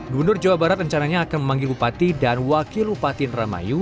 gondor jawa barat rencananya akan memanggil upati dan wakil lumpati indramayu